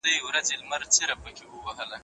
په بدیو کي د نجلۍ ورکول روا نه دي.